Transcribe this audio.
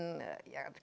itu salah satu